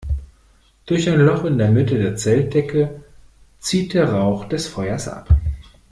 Durch ein Loch in der Mitte der Zeltdecke zieht der Rauch des Feuers ab.